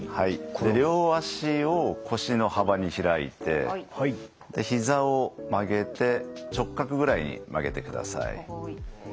両足を腰の幅に開いてひざを曲げて直角ぐらいに曲げてください。